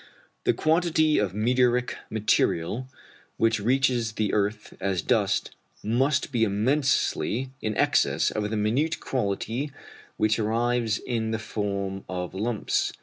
The quantity of meteoric material which reaches the earth as dust must be immensely in excess of the minute quantity which arrives in the form of lumps.